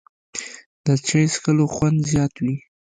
د چای څښلو خوند زیات وي